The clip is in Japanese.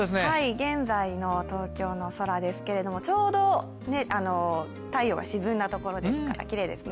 現在の東京の空ですけれども、ちょうど太陽が沈んだところですから、きれいですね。